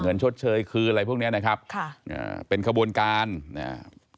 ชดเชยคืนอะไรพวกเนี้ยนะครับค่ะอ่าเป็นขบวนการอ่า